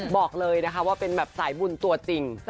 บอกเลยนะคะว่าเป็นแบบสายบุญตัวจริง